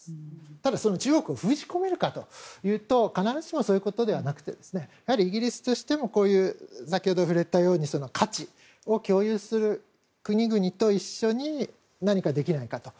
ただ、中国を封じ込めるかというと必ずしもそういうことではなくイギリスとしても先ほど触れたように価値を共有する国々と一緒に何かできないかと。